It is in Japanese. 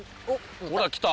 ほら来た！